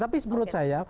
tapi menurut saya